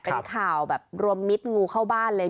เป็นข่าวแบบรวมมิตรงูเข้าบ้านเลย